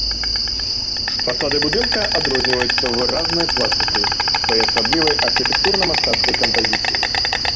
Фасады будынка адрозніваюцца выразнай пластыкай, своеасаблівай архітэктурна-мастацкай кампазіцыяй.